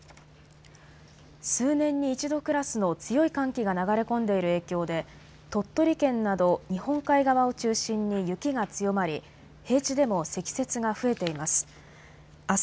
数年に一度クラスの強い寒気が流れ込んでいる影響で鳥取県など日本海側を中心に雪が強まり平地でも積雪が増えています。